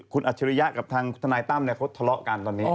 คุณอัจฉริยะกับทางทนายตั้มเขาทะเลาะกันตอนนี้